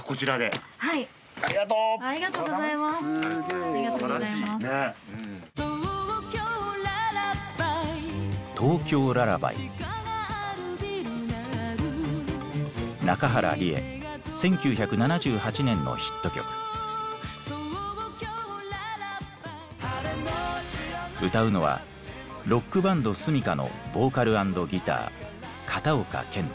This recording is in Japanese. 歌うのはロックバンドｓｕｍｉｋａのボーカル＆ギター片岡健太。